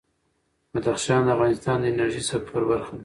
بدخشان د افغانستان د انرژۍ سکتور برخه ده.